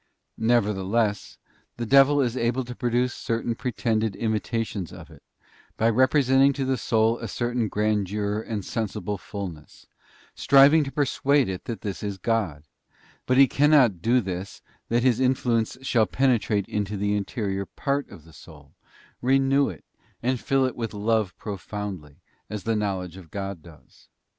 Nevertheless, the devil is able to produce certain pre tended imitations of it, by representing to the soul a certain grandeur and sensible fulness, striving to persuade it that this is God; but he cannot so do this that his influence shall penetrate into the interior part of the soul, renew it, and fill it with love profoundly, as the knowledge of God does.